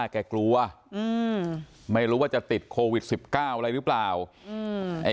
แกกลัวอืมไม่รู้ว่าจะติดโควิดสิบเก้าอะไรหรือเปล่าอืมไอ้